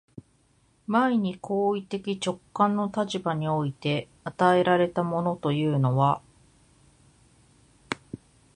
前に行為的直観の立場において与えられたものというのは、